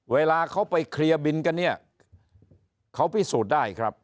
เวลาเขาไปเคลียร์บินกันเนี่ยเขาพิสูจน์ได้ครับ